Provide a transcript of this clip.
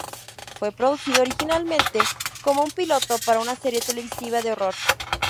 Fue producido originalmente como un piloto para una serie televisiva de horror.